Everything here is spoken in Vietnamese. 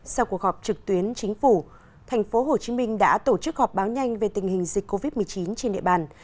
sau cuộc họp trực tuyến chính phủ tp hcm đã tổ chức họp báo nhanh về tình hình dịch covid một mươi chín trên địa bàn